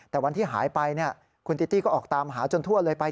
แต่วันที่หายไปคุณติตี้ก็ออกตามหาจนทั่วเลยไป